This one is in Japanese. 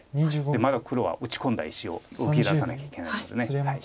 まだ黒は打ち込んだ石を動きださなきゃいけないので。